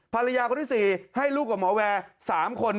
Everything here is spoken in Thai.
ภรรยาคนที่๔ให้ลูกกับหมอแวร์๓คน